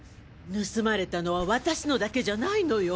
盗まれたのは私のだけじゃないのよ。